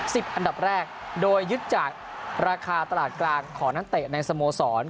อันดับแรกโดยยึดจากราคาตลาดกลางของนักเตะในสโมสร